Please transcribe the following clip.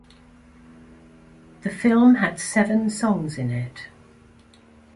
The film had seven songs in it.